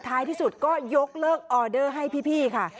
ท้ายที่สุดก็ยกเลิกออเดอร์ให้พี่ค่ะ